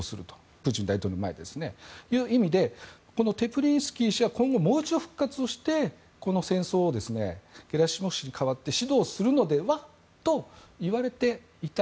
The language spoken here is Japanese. プーチン大統領の前ですね。という意味でこのテプリンスキー氏はもう一度復活してこの戦争をゲラシモフ氏に代わって指導するのではといわれていた。